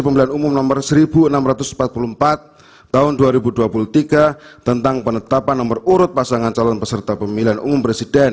pemilihan umum no seribu enam ratus empat puluh empat tahun dua ribu dua puluh tiga tentang penetapan nomor urut pasangan calon peserta pemilihan umum presiden